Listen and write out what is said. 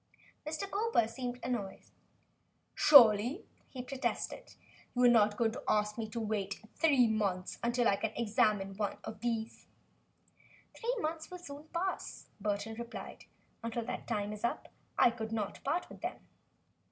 Mr. Cowper seemed annoyed. "Surely," he protested, "you are not going to ask me to wait three months until I can examine one of these?" "Three months will soon pass," Burton replied. "Until that time is up, I could not part with them."